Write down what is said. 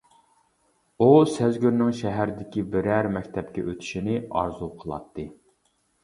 ئۇ سەزگۈرنىڭ شەھەردىكى بىرەر مەكتەپكە ئۆتۈشىنى ئارزۇ قىلاتتى.